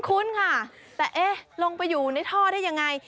คุ้นค่ะแต่เอ๊ะลงไปอยู่ในท่อได้ยังไง